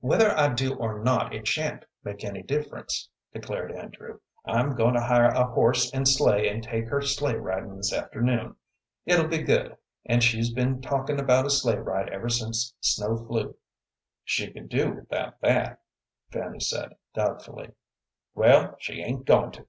"Whether I do or not, it sha'n't make any difference," declared Andrew. "I'm goin' to hire a horse and sleigh and take her sleigh ridin' this afternoon. It'll be good, and she's been talkin' about a sleigh ride ever since snow flew." "She could do without that," Fanny said, doubtfully. "Well, she ain't goin' to."